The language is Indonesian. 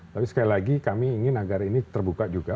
tapi sekali lagi kami ingin agar ini terbuka juga